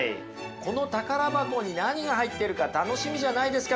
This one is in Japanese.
この宝箱に何が入っているか楽しみじゃないですか？